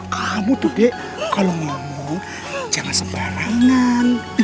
kamu tuh dek kalau mau jangan sembarangan